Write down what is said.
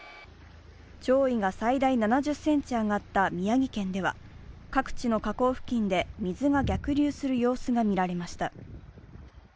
潮位が最大７０ｃｍ上がった宮城県では、各地の河口付近で水が逆流する様子がみられました。